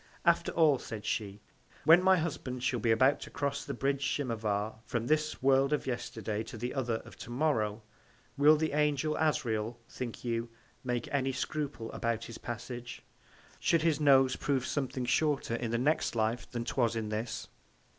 After all, said she, when my Husband shall be about to cross the Bridge Tchimavar, from this World of Yesterday, to the other, of To morrow, will the Angel Asrael, think you, make any Scruple about his Passage, should his Nose prove something shorter in the next Life than 'twas in this?